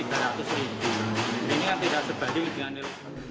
ini kan tidak sebanding dengan nilai jual